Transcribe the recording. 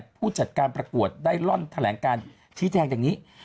ผู้จัดการประกวดได้ล่อนแถลงการชี้แจงอย่างนี้